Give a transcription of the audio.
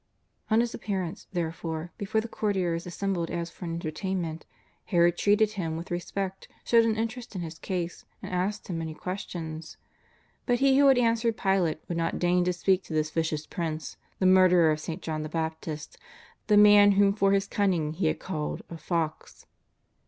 On His appearance, therefore, before the courtiers assembled as for an entertainment, Herod treated Him with respect, showed an interest in His case, and asked Him many questions. But He who had answered Pilate would not deign to speak to this vicious prince, the murderer of St. John the Baptist, the man whom for his cunning He had called a '' fox."